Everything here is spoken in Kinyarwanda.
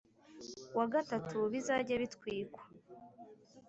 Wa gatatu bizajye bitwikwa